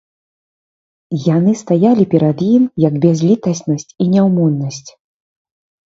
Яны стаялі перад ім, як бязлітаснасць і няўмольнасць.